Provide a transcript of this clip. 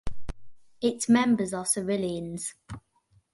Its members are civilians.